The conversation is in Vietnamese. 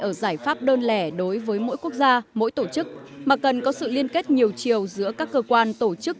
ở giải pháp đơn lẻ đối với mỗi quốc gia mỗi tổ chức mà cần có sự liên kết nhiều chiều giữa các cơ quan tổ chức